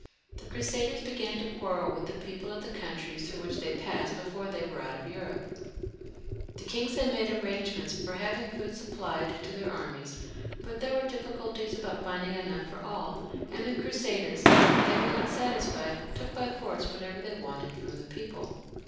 The Crusaders began to quarrel with the people of the countries through which they passed before they were out of Europe. The kings had made 86 LOUIS VIL {LE JEUNE). [ch. arrangements for having food supplied to their armies, but there were difficulties about finding enough for all, and the Crusaders, if thejr were not satisfied, took by force whatever they wanted from the people.